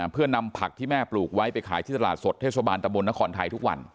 เพื่อนำผักที่แม่ปลูกไว้ไปขายที่ตลาดสดเทศบาลตะบนนครไทยทุกวัน